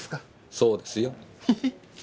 そうですよ。ヘヘ。